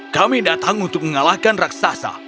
kami datang untuk mengalahkan raksasa